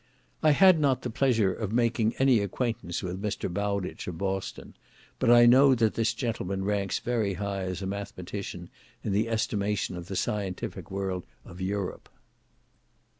I had not the pleasure of making any acquaintance with Mr. Bowditch, of Boston, but I know that this gentleman ranks very high as a mathematician in the estimation of the scientific world of Europe.